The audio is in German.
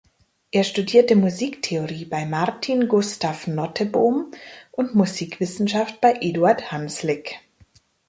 Er studierte Musiktheorie bei Martin Gustav Nottebohm und Musikwissenschaft bei Eduard Hanslick.